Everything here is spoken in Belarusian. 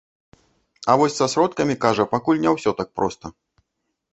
А вось са сродкамі, кажа, пакуль не ўсё так проста.